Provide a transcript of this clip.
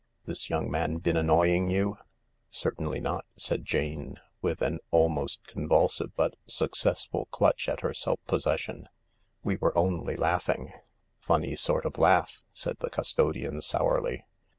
"This young man been annoying you ?" "Certainly not," said Jane, with an almost convulsive but successful clutch at her self possession. "We were only laughing." " Funny sort of laugh," said the custodian sourly.